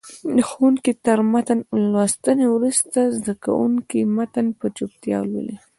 د ښوونکي تر متن لوستنې وروسته زده کوونکي متن په چوپتیا ولولي.